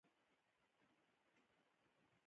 بلکې زما لومړنۍ اوښکې یې ولیدې.